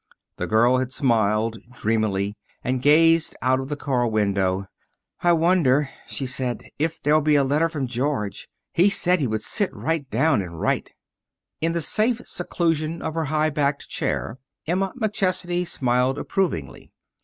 The girl had smiled, dreamily, and gazed out of the car window. "I wonder," she said, "if there'll be a letter from George. He said he would sit right down and write." In the safe seclusion of her high backed chair Emma McChesney smiled approvingly.